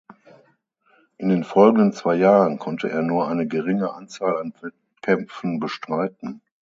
In den folgenden zwei Jahren konnte er nur eine geringe Anzahl an Wettkämpfen bestreiten.